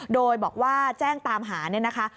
โดยบอกว่าแจ้งตามหาเนี่ยนะคะ